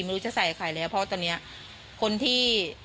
ไม่รู้จะใส่ใครแล้วเพราะตอนนี้คนที่